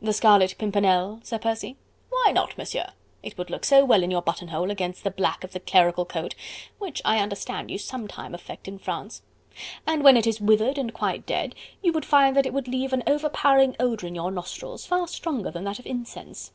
"The Scarlet Pimpernel, Sir Percy?" "Why not, Monsieur? It would look so well in your buttonhole, against the black of the clerical coat, which I understand you sometime affect in France... and when it is withered and quite dead you would find that it would leave an overpowering odour in your nostrils, far stronger than that of incense."